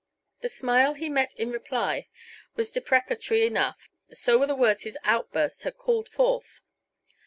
The smile he met in reply was deprecatory enough; so were the words his outburst had called forth.